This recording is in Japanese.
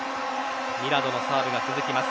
ミラドのサーブが続きます。